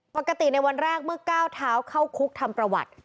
ปกติในวันแรกเมื่อก้าวเท้าเข้าคุกทำประวัติ